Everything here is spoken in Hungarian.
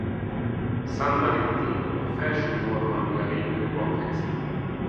Seine-Maritime a Felső-Normandia régióban fekszik.